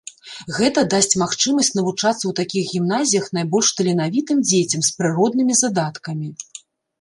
Гэта дасць магчымасць навучацца ў такіх гімназіях найбольш таленавітым дзецям з прыроднымі задаткамі.